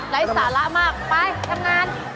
สาระมากไปทำงาน